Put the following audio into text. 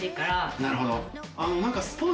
なるほど。